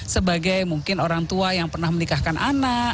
sebagai mungkin orang tua yang pernah menikahkan anak